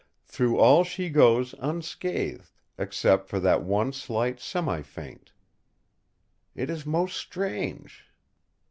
Through all she goes unscathed, except for that one slight semi faint. It is most strange!"